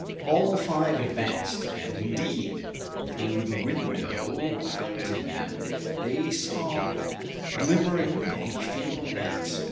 All five advanced and indeed, through the window fronting them, they saw glimmering a feeble light.